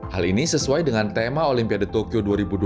hal ini sesuai dengan tema olimpiade tokyo dua ribu dua puluh